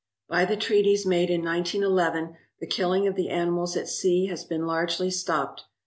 By the treaties made in 1911 the killing of the animals at sea has been largely stopped.